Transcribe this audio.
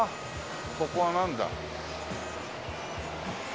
ここはなんだ？